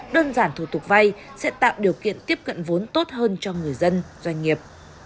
đơn giản thủ tục vay sẽ tạo điều kiện tiếp cận vốn tốt hơn cho người dân doanh nghiệp